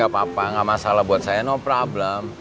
gapapa gak masalah buat saya no problem